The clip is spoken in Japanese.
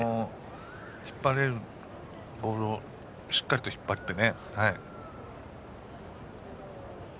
引っ張れるボールをしっかりと引っ張って。